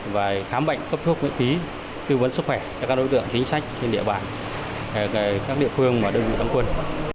và khám bệnh cấp thuốc miễn phí tư vấn sức khỏe cho các đối tượng chính sách trên địa bàn các địa phương và đơn vị tâm quân